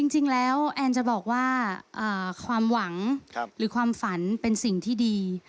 จริงแล้วแอนจะบอกว่าความหวังหรือความฝันเป็นสิ่งที่ดี